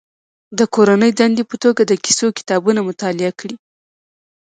د کورنۍ دندې په توګه د کیسو کتابونه مطالعه کړي.